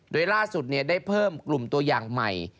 โดยล่าสุดได้เพิ่มกลุ่มตัวอย่างใหม่